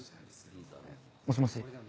もしもし？